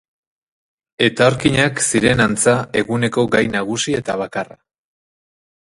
Etorkinak ziren antza eguneko gai nagusi eta bakarra.